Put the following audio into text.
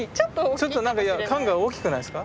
ちょっと缶が大きくないですか？